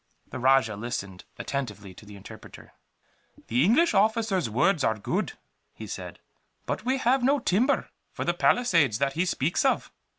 The rajah listened attentively to the interpreter. "The English officer's words are good," he said, "but we have no timber for the palisades that he speaks of."